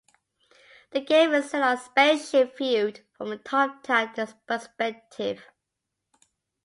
The game is set on a spaceship viewed from a top-down perspective.